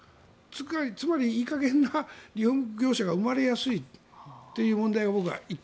つまり、いい加減な業者が生まれやすいという問題が１点。